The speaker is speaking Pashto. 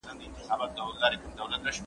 ميلمه د کتابتون له خوا هرکلی کيږي،